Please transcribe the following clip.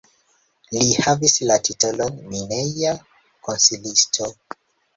Li havis la titolon mineja konsilisto.